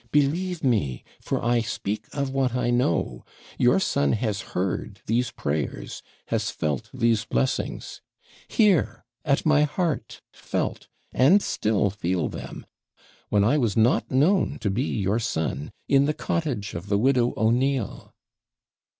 Believe me, for I speak of what I know your son has heard these prayers, has felt these blessings. Here! at my heart felt, and still feel them, when I was not known to be your son, in the cottage of the widow O'Neill.'